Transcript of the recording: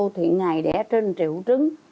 thì ngày đẻ trên triệu trứng